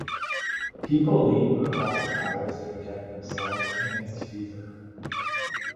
People leap across the fires to protect themselves against fever.